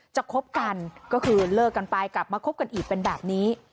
คบกันก็คือเลิกกันไปกลับมาคบกันอีกเป็นแบบนี้